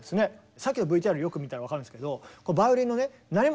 さっきのＶＴＲよく見たら分かるんですけどっていうバイオリンの調弦自体を。